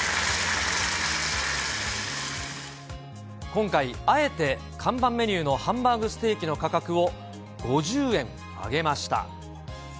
今回、あえて看板メニューのハンバーグステーキの価格を、５０円上げました。